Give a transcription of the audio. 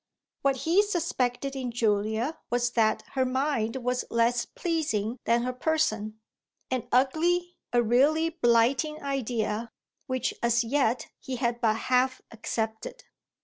What he suspected in Julia was that her mind was less pleasing than her person; an ugly, a really blighting idea, which as yet he had but half accepted.